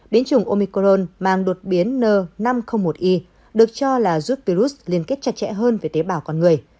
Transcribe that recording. biến chủng omicron mang đột biến n năm trăm linh một i được cho là giúp virus liên kết chặt chẽ hơn về tế bào con người